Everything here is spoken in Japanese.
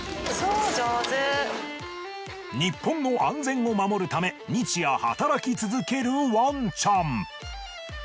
日本の安全を守るため日夜働き続けるワンちゃん。